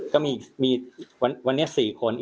อยู่ในสี่คน